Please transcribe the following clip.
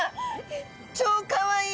超かわいい！